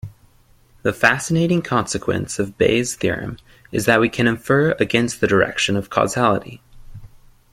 The fascinating consequence of Bayes' theorem is that we can infer against the direction of causality.